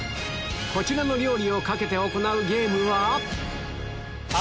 こちらの料理を懸けて行うゲームは何だ？